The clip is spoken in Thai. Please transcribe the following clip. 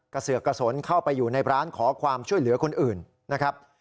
เสือกกระสนเข้าไปอยู่ในร้านขอความช่วยเหลือคนอื่นนะครับ